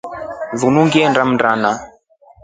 Linu ngilinda Mndana.